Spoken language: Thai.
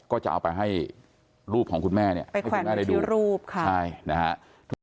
ก็จะเอาไปให้รูปของคุณแม่ไปแข่งไปที่รูปค่ะใช่นะฮะ